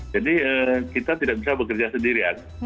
jadi kita tidak bisa bekerja sendirian